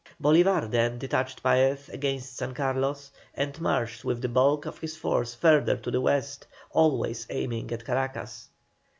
Bolívar then detached Paez against San Carlos, and marched with the bulk of his force further to the West, always aiming at Caracas.